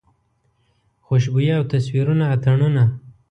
خوشبويي او تصویرونه اتڼونه